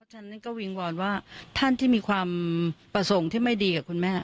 ฉันนั้นก็วิงวอนว่าท่านที่มีความประสงค์ที่ไม่ดีกับคุณแม่